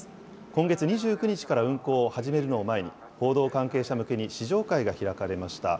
今月２９日から運行を始めるのを前に、報道関係者向けに試乗会が開かれました。